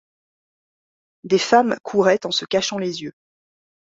Des femmes couraient en se cachant les yeux.